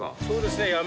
そうですね。